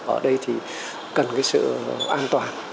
ở đây thì cần cái sự an toàn